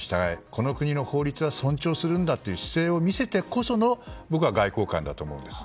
この国の法律は尊重するんだという姿勢を見せてこその外交官だと思うんです。